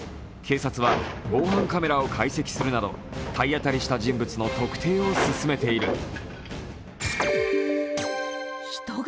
警察は防犯カメラを解析するなど体当たりした人物の特定を進めている。